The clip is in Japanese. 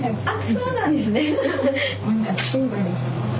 そうなんですね。